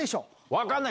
分かんない。